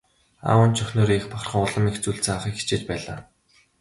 Аав нь ч охиноороо их бахархан улам их зүйл заахыг хичээж байлаа.